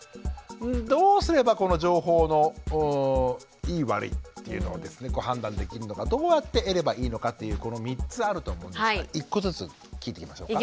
どうすればこの情報のいい悪いっていうのをですね判断できるのかどうやって得ればいいのかっていうこの３つあると思うんですが１個ずつ聞いていきましょうか。